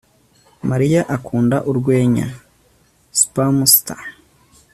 mariya akunda urwenya. (spamster